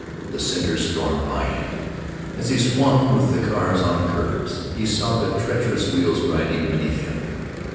The cinders stormed by him. As he swung with the cars, on curves, he saw the treacherous wheels grinding beneath him.